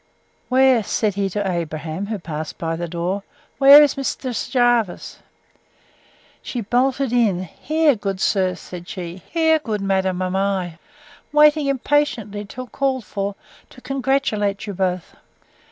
Where (said he to Abraham, who passed by the door), where is Mrs. Jervis?—She bolted in: Here, good sir! said she; here, good madam! am I, waiting impatiently, till called for, to congratulate you both.